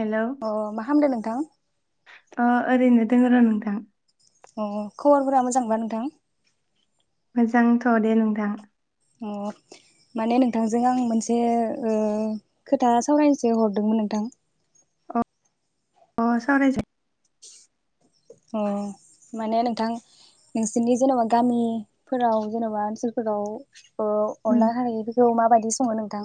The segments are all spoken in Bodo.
हेलौ अ मा खालामदों नोंथां ओ ओरैनो दोङो र नोंथां। अ खबरफोरा मोजांबा नोंथां? मोजांथ दे नोंथां। अ माने नोंथांजों आं मोनसे ओ खोथा सावरायनोसै हरदोंमोन नोंथां। अ अ साराय जा अ माने नोंथां नोंसोरनि जेनबा गामिफोराव जेनबा ओनसोलफोराव ओ अनला खारैखौ मा बायदि सङो नोंथां?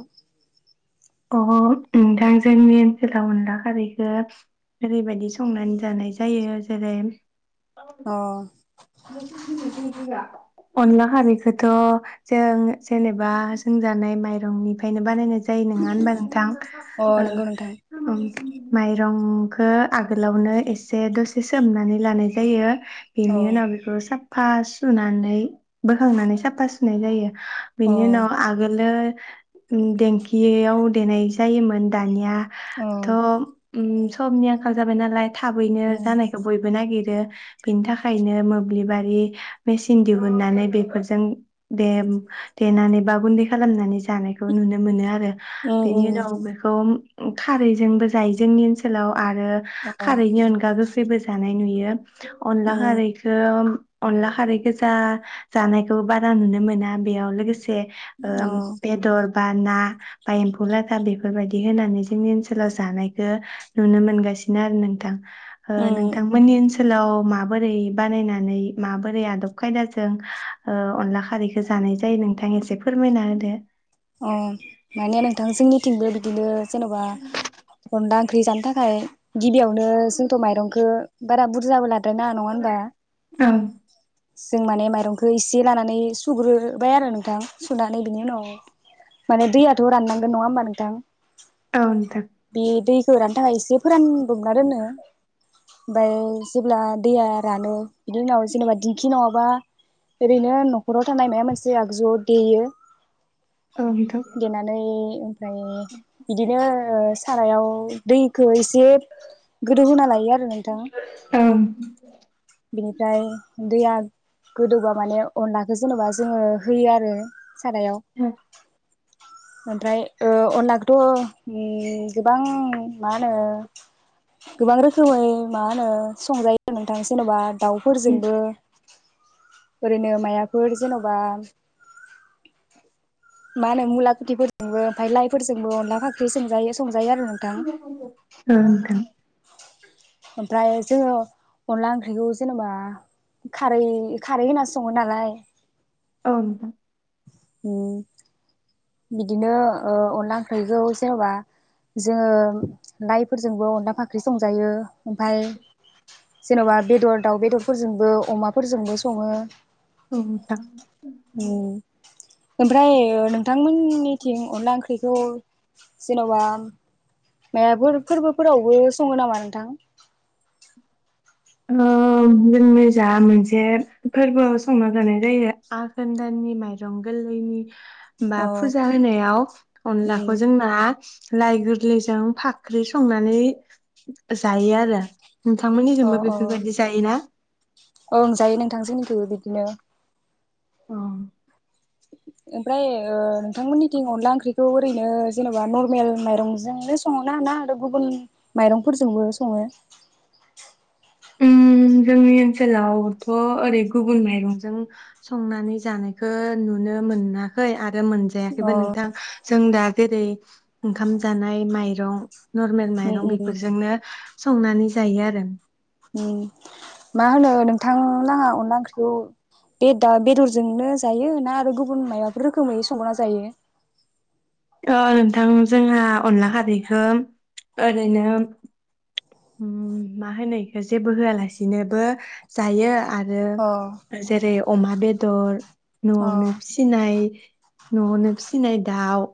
अ नोंथां जोंनि ओनसोलाव अनला खारैखो ओरैबायदि संनानै जानाय जायो। जेरै अ अनला खारैखोथ जों जेनेबा जोंजानाय माइरंनिफ्रायनो बानायनाय जायो नङा होनबा नोंथां अ ओ नंगौ नोंथां उम माइरंखो आगोलावनो एसे दसे सोमनानै लानाय जायो। अ इनि उनाव साफा सुनानै बोखांनानै साफा सुनाय जायो। अ बेनि उनाव आगोलो ओम देंखियाव देनाय जायोमोन। दानिया थ' औ उम सबनि आंखाल जाबाय नालाय थाबैनो उम जानायखौ बयबो नागिर ओ बिनि थाखायनो मो बेबारि मेचिन दिहुननानै बेफोरजों दे देनानै बा गुै खालामनानै ज जानायखौ नुनो मोनो आरो उम बेनि उम उनाव बेखौ खारैजोंबो जायो जोंनि ओनसोलाव आरो अ खारैनि अनगा गोखैबो जानाय नुयो। [unintelligible] अनला उम खारै अनला खारै गोजा जानायखौ बारा नुनो मोना बेयाव लोगोसे अ बेदर बा ना बा एम्फौ लाथा बेफोरबायदि होनानै जोंनि ओनसोलाव जानायखौ नुनो मोनगासिनो आरो नोंथां उम नोंथांमोननि ओनसोल लाव माबोरै बानायनानै माबोरै आदब खायदाजों अनला खारैखौ जानाय जायो नोंथां एसे फोरमायना होदो। बिनो जेनेबा अनला ओंख्रि जानो थाखाय गिबियावनो जोंथ' माइरंखौ बारा बुरजा बो ला ना नङा होमबा? औ जों माने माइरंखौ इसे लानानै सुग्रोबाय आरो नोंथां सुनानै बिनि उनाव माने दैयाथ' राननांगोन नङा होमबा नोंथां? ओं बे दैजों फोरानो थाखाय एसे फोरानदबना दोनो ओमफ्राय जेब्ला दैया रानो बिनि उनाव जेनेबा दिंखि नङाबा ओरैनो न'खराव थानाय माबा मोनसे आगजुआव देयो। औ नोंथां देनानै ओमफ्राय बिदिनो ओ सारायाव दैखौ एसे जे गोदौ होना लायो आरो नोंथां। औ नोंथां बिनिफ्राय दैैया गोदौबा माने अनलाखौ जेनेबा जोङो होयो आरो सारायाव ओमफ्राय अनलाखौथ' गोबां मा होनो गोबां रोखोमै मा होनो संजायो नोंथां जेन'बा दाउफोरजोंबो ओरैनो माइबाफोर जेन'बा माहोनो मुला खेथिफोर जोंबो ओमफ्राय लाइफोरजोंबो अनला फाख्रिजों औ नोंथां ओमफ्राय जोङो अनला ओंख्रिखौ जेनेबा खारै खारै होनानै सङो नालाय [inaudible] औ बिदिनो अनला ओख्रैखौ जेन'बा जोङो लाइफ फोरजोंबो अनला फाख्रि संजायो ओमफाय जेन'बा बेदर दाउ बेदरफोरजोंबो अमाफोरजोंबो सङो औ नोंथां ओमफ्राय नों थांमोननिथिं अनला ओंख्रिखौ जेन'बा माइबाफोर फोरबोफोरावबो सङो नामा नोंथां जोंनि जा मोनसे फोरबो संना जानाय जायो आघोनदाननि माइरं गोरलैनि बा अ फुजा होनायाव उम अनलाखौ जोंना लाइ गोरलैजों फाख्रि संनानै जायो आरो नोंथांमोननिजोंबो बे औ जायो नोंथांजोंनिखैबो बिदिनो अ ओमफ्राय ओ बिथांथांमोननिं अनला ओंख्रिखौ ओरैनो जेनोबा नर्मेल माइरंजोंनो सङोना आरो गुबुन माइरंफोरजोंबो सङो जोंनि ओनसोलावथ' ओरै गुबुन माइरंजों संनानै जानायखौ नुनो मोनाखै आरो मोनजायाखैबो अ नोंथां जों दा जेरै ओंखाम जानाय माइरं नरमेल उम माइरं उम बेफोरजोंनो संनानै जायो आरो मा होनो नोंथां नाङा अनला ओंख्रिखौ बे दा बेदरजोंनो जायो ना आरो गुबुन माबाफोर रोखोमै संगना जायो नोंथां जोंहा अनला खारैखौ ओरैनो मा होनो बेखौ जेबो होआलासिनोबो जायो आरो अ जेरै अमा बेद दर अ न'आवनो फिसिनाय न'आवनो फिसिनाय दाउ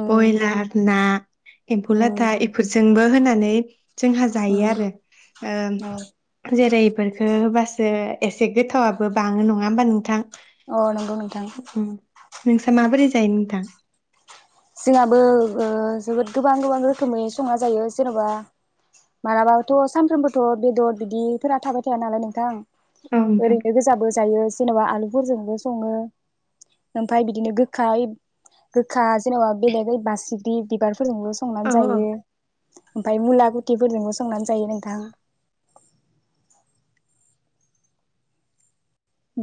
उम बयलार ना एम्फौ उम लाथा इफोरजोंबो होनानै जोंहा जायो उम आरो अ जेरै बेखो होबासो एसे गोथावाबबो बाङो नङा होमबा नोंथां अ नंगौ नोंथां उम नोंसा माबोरै जायो नोंथां जोंहाबो ओ जोबोद गोबां गोबां रोखोमै संना जायो जेन'बा मालाबाथ' सानफ्रोमबोथ' बेदर बिदिफोरा थाबाय थाया नालाय नोंथां औ नोंथां ओरैनो गोजाबो जायो जेनेबा आलुफोरजोंबो सङो ओमफ्राय बिदिनो गोखायै गोखा जेन'बा बेलेगै बासिग्रि बिबार फोरजोंबो औ संनानै जायो ओमफाय मुला गुथिफोरजोंबो संनानै जायो नोंथां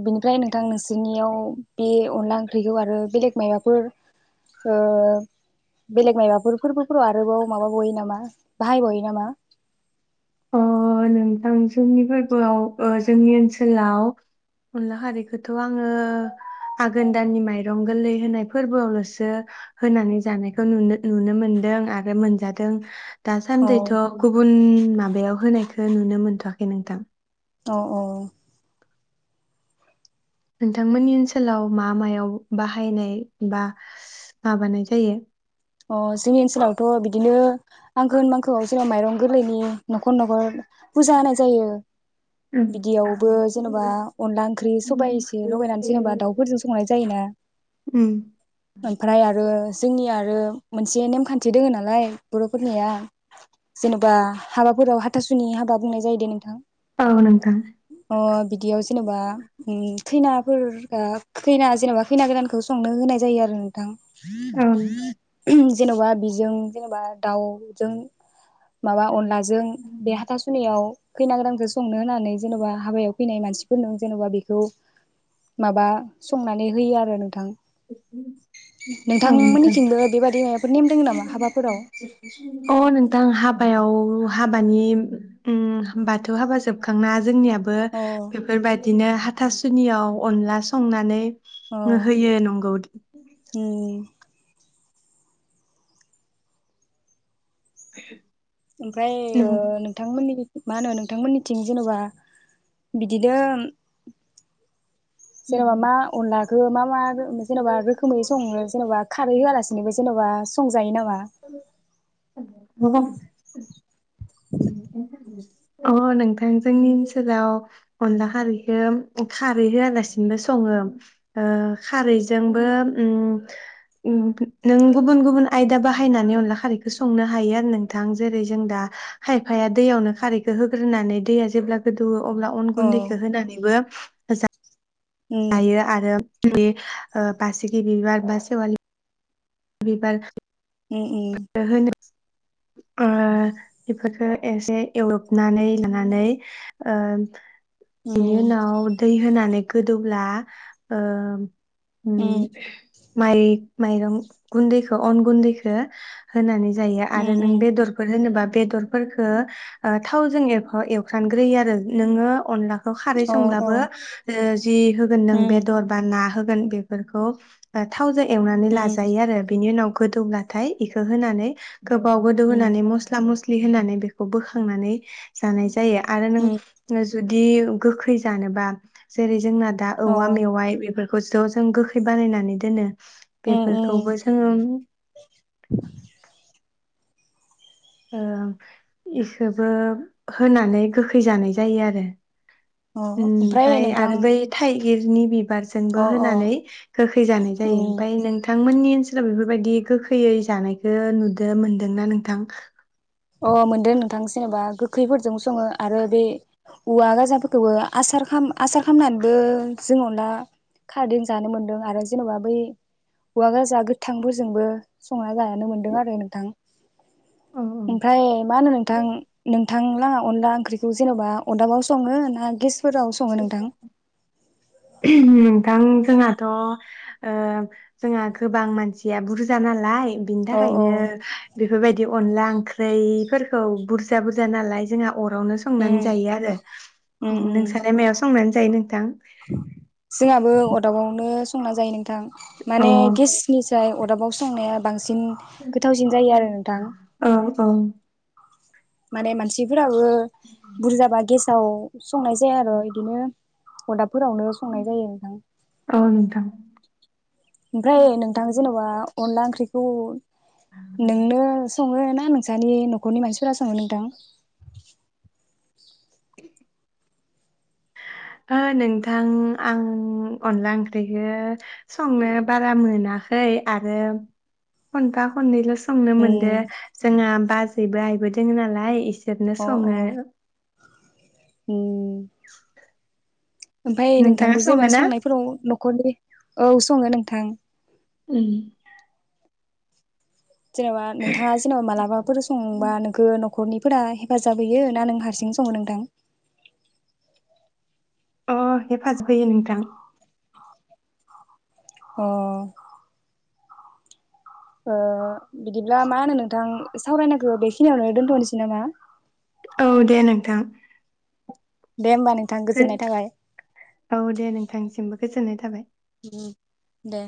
बिनिफ्राय नोंथां नोंसोरनियाव बे अनला ओंख्रिखौ आरो बेलेग मायबाफोर ओ बेलेग मायबाफोर फोरबोफोराव आरोबाव माबा बावयो नामा बाहायबावयो नामा अ नोंथां जोंनि फोरबोआव ओ जोंनि ओनसोलाव अनला खारिखौथ' आङो आघोन दाननि माइरं गोरलै होनाय फोरबोआवल'सो होनानै जानायखौ नुनो नुनो मोनदों आरो मोनजादों औ दासानदैथ' गुबुन नाम बेयाव होनायखौ नुनो मोनथ'वाखै नोंथां अ ओ नोंथांमोननि ओनसोलाव मा मायाव बाहायनाय बा माबानाय जायो अ जोंनि ओनसोलावथ' बिदिनो आगोन मांखौआव जोंनाव माइरं गोरलैनि न'खर न'खर फुजा होनाय जायो उम बिदियावबो जेनेबा अनला ओंख्रि सबाय एसे लगायनानै जेनेबा दाउफोरजों संनाय जायोना उम ओमफ्राय आरो जोंनि आरो मोनसे नेमखान्थि दोङो नालाय बर'फोरनिया जेनेबा हाबाफोराव हा हाथासुनि हाबा बुंनाय जायो दे नोंथां औ नोंथां ओ बिदियाव जेनेबा उ खैनाफोरा खैना जेनेबा खैना गोदानखौ संनो होनाय जायो आरो नोंथां औ [inaudible] जेन'बा बिजों जेनेबा दाउजों माबा अनलाजों बे हाथा सुनियाव खैना गोदानखौ संनो होनानै जेन'बा हाबायाव फैनाय मानसिफोरनो जेन'बा बि बेखौ माबा संनानै होयो आरो नोंथां औ नोंथां नोंथांमोननिथिंबो एब अ नोंथां हाब बायाव हाबानि उ बाथौ हाबा जोबखांना जोंनिया बो अ बेफोरबायदिनो हा हाथासुनियाव अनला संनानै अ होयो नंगौ उम [inaudible] ओमफ्राय ओ नों नोंथांमोननि मा होनो नोंथांमोननिथिं जेनबा बिदिनो जेनेबा मा अनलाखौ मा मा जेनेबा रोखोमै सङो जेनेबा खारै होआलासिनोबो जेनेबा म [unintelligible] अ नोंथां जोंनि ओनसोलाव अनला खारैखौ खारै होआलासिनोबो सङो खारैजोंबो नों गुबुन गुबुन आयदा बाहायनानै अनला खारैखौ संनो हायो आरो नोंथां जेरै जों दा खायफाया दैयावनो खारैखौ होग्रोनानै दैया जेब्ला गोदौ अब्ला अन औ गुन्दैखौ होनानैबो [unintelligible] उम जायो आरो बासिकि बिबार बा सेवालि बिबार उम उम होनो ओ बेफोरखो एसे एवदबनानै लानानै बिनि उम उनाव दै होनानै गोदौब्ला ओ उम माइ माइरं गुन्दैखौ अन गुन्दैखो होनानै जायो उम आरो नों उम बेदरफोर होनोबा बेदरफोरखो थावजों एवफ्राम ग्रोयो आरो नोङो अनला खारै अ अ संब्लाबो ओ जि होगोन नों उम बेदर बा ना होगोन बेफोरखौ थाव थावजों एवनानै उम लाजायो आरो बिनि उनाव गोदौब्ला नाथाय इखो होनानै गोबाव गोदौ उम होनानै मस्ला मसलि होनानै बेखौ बोखांनानै जानाय जायो जायो आरो नों उम जुदि बिदि गोखै जानोबा जेरै जोंना दा अ औवा मेवाइ बेफोरखौ खौ ज जों गोखै बानायनानै दोनो उम उम बेफोरखौबो जोङो ओ इखबो होनानै गोखै जानाय जायो आरो अ ओमफ्राय ओमफाय नोंथां आरो बै थाइ गिरनि बि अ अ होनानै गोखै जानाय जायो उम मफाय नोंथांमोननि [unintelligible] बेफोरबायदि गोखैयै जानायखौ नुदों मोनदोंना नोंथां अ मोनदों नोंथां जेनेबा गोखैफोरजों सङो आरो बे औवा गाजाफोरखौबो आसार आसार खालामनानैबो जों अनला खारदैजों जानो मोनदों आरो जेन'बा बै औवा गोाजा गोथांफोरजोंबो संना जानो मोनदों आरो नोंथां औ औ ओमफ्राय मा होनो नोंथां थां लाहा अनला ओंख्रिखौ जेनेबा अदाबाव सङो ना गेस दा उम जोंहाथ' ओ जोंहा गोबां मानसिया बुरजा नालाय बिनि औ औ थाखायनो बेफोरबायदि अनला ओंख्रि बैफोरखौ बुरजा बुरजा नालाय जोंहा अरावनो संनानै उम जायो आरो उम मायाव संनानै जायो नोंथां जोंहाबो अदाबावनो संना जायो नोंथां अ माने गेसनि जाय अदाबाव संनाया बांसिन न गोथावसिन जायो आरो नोंथां औ माने मानसिफोराबो बुरजाबा गेसाव संनाय जाया आरो इदिनो अदा फोरावनो संनाय जायो नोंथां औ नोंथां ओमफ्राय नोंथां जेन'बा अनदला ओंख्रि खौ नोंनो सङो ना ना नोंसनि न'खरनि मानसिफोरा संङो नोंथां [inaudible] ओ नोंथां आं अनला ओंख्रिखौ संनो बारा मोनाखै आरो खनफा खननैल' संनो मोनदो उम जोंहा बाज बैबो आयबो दोङो नालाय एसे जोबनो अ अ संनो आरो उम ओमफाय नोंथाङा नोंथांखौ जेबा सङो ना? संनायफोराव न'खरनि औ सङो नोंथां उम जेनेबा नोंथाङा जेनेबा मालाबाफोर संबा नोंखो न'खरनिफोरा हेफाजाब होयो ना नों हारसिं सङो नोंथां अ हेफाजाब होयो नोंथां अ ओ बिदिब्ला मा होनो नोंथां सावरायनायखौ बेखिनियावनो दोनथ'नोसै नामा औ दे नोंथां दे होमबा नोंथां गोजोननाय थाबाय। औ दे नोंथांसिमबो गोजोननाय था थाबाय दे